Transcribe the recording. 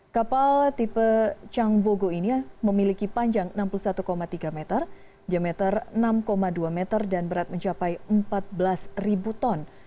kapal tipe changbogo ini memiliki panjang enam puluh satu tiga meter diameter enam dua meter dan berat mencapai empat belas ribu ton